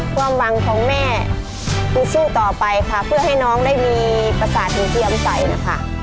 ความหวังของแม่คือสู้ต่อไปค่ะเพื่อให้น้องได้มีประสาทเทียมใสนะคะ